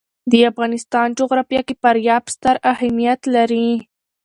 د افغانستان جغرافیه کې فاریاب ستر اهمیت لري.